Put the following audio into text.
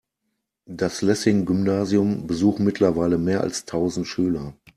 Das Lessing-Gymnasium besuchen mittlerweile mehr als tausend Schüler.